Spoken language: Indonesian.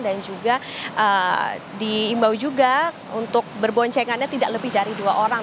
dan juga diimbau juga untuk berboncengannya tidak lebih dari dua orang